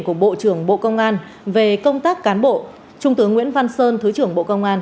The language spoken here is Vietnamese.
của bộ trưởng bộ công an về công tác cán bộ trung tướng nguyễn văn sơn thứ trưởng bộ công an